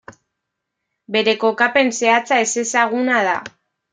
Bere kokapen zehatza ezezaguna da.